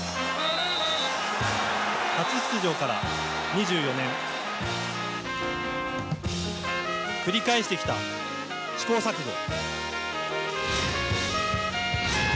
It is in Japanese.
初出場から２４年繰り返してきた試行錯誤。